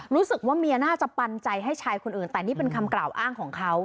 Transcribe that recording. รู้สึกว่าเมียน่าจะปันใจให้ชายคนอื่นแต่นี่เป็นคำกล่าวอ้างของเขา